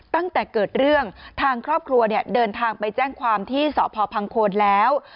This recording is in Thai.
ตั้งแต่เกิดเรื่องทางครอบครัวเนี่ยเดินทางไปแจ้งความที่สพพังโคนแล้ว